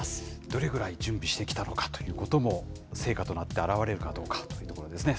どれぐらい準備してきたのかということも、成果となってあらわれるかどうかということですね。